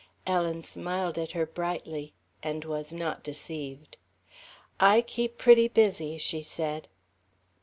Ellen smiled at her brightly, and was not deceived. "I keep pretty busy," she said.